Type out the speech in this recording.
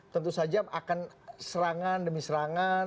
tentu saja akan serangan demi serangan